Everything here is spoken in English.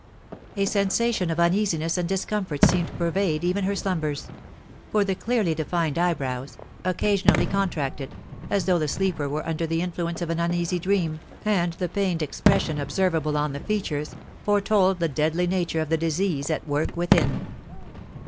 A sensation of uneasiness and discomfort seemed to pervade even her slumbers; for the clearly defined eyebrows, occasionally contracted, as though the sleeper were under the influence of an uneasy dream, and the pained expression observable on the features, foretold the deadly nature of the disease at work within.